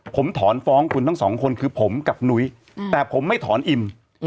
ผมถอนฟ้องคุณทั้งสองคนคือผมกับนุ้ยแต่ผมไม่ถอนอิ่ม